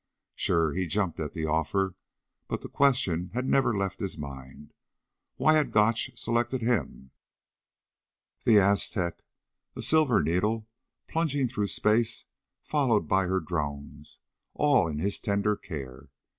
Sure, he'd jumped at the offer. But the question had never left his mind. Why had Gotch selected him? The Aztec, a silver needle plunging through space followed by her drones, all in his tender care.